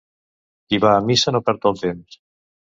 Qui va a missa no perd el temps.